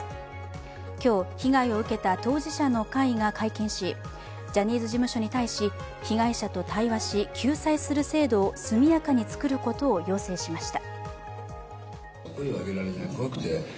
今日、被害を受けた当事者の会が会見しジャニーズ事務所に対し、被害者と対話し、救済する制度を速やかに作ることを要請しました。